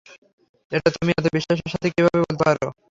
এটা তুমি এতো বিশ্বাসের সাথে কিভাবে বলতে পারো?